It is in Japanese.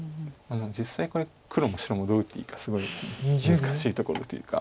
実際これ黒も白もどう打っていいかすごい難しいところというか。